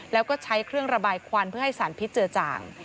แล้วก็ใช้เครื่องระบายควันเพื่อให้สารพิษเจอจ่าง